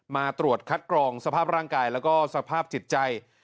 มาตรวจคัดกรองสภาพร่างกายแล้วก็สภาพจิตใจ